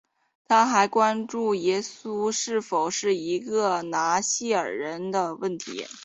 它还关注耶稣是否是一个拿细耳人问题。